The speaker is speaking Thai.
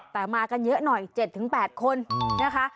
แต่มากันเยอะหน่อย๗๘คนนะคะ